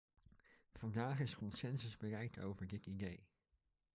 Vandaag is consensus bereikt over dit idee.